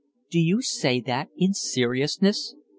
"Do you say that in seriousness?"